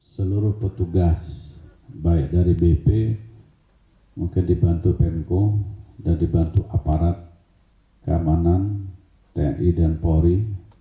seluruh petugas baik dari bp mungkin dibantu pemko dan dibantu aparat keamanan tni dan polri